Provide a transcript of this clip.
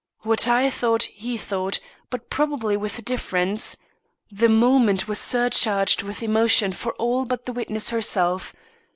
What I thought, he thought but possibly with a difference. The moment was surcharged with emotion for all but the witness herself.